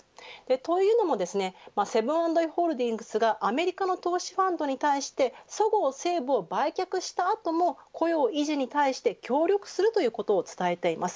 というのもですねセブン＆アイ・ホールディングスがアメリカの投資ファンドに対してそごう・西武を売却した後も雇用維持に対して協力するということを伝えています。